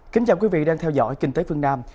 kính chào quý vị đang theo dõi kinh tế phương nam